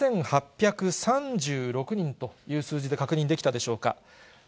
７８３６人という数字で確認できたでしょうか。